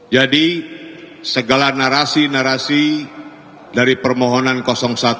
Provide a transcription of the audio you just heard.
jadi segala narasi narasi dari permohonan satu